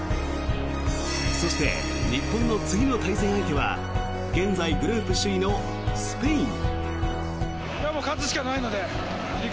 そして、日本の次の対戦相手は現在グループ首位のスペイン。